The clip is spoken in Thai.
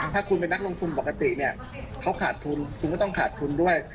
ถ้าคุณเป็นนักลงทุนปกติเนี่ยเขาขาดทุนคุณก็ต้องขาดทุนด้วย